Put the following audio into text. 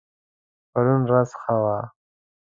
پرون ورځ ښه وه